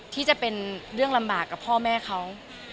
ที่จะเป็นเรื่องลำบากกับพ่อแม่เขา